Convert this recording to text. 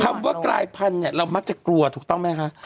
คำว่ากลายพันธุ์เนี่ยเรามักจะกลัวถูกต้องไหมคะ